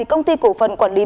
công ty cổ phần quản lý